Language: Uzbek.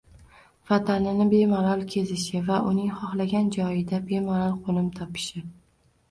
– vatanini bemalol kezishi va uning xohlagan joyida bemalol qo‘nim topishi.